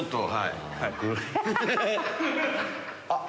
あっ。